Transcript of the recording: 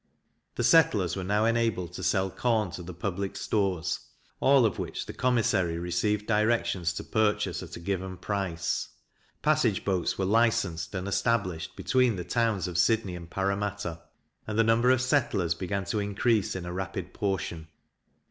The settlers were now enabled to sell corn to the public stores, all of which the commissary received directions to purchase at a given price: passage boats were licensed and established between the towns of Sydney and Parramatta, and the number of settlers began to increase in a rapid portion.